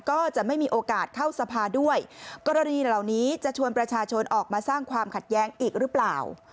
ก็จะไม่มีโอกาสเข้าสภาด้วยกรณีเหล่านี้จะชวนประชาชนออกมาสร้างความขัดแย้งอีกหรือเปล่า